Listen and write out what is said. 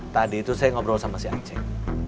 tadi itu saya ngobrol sama si aceh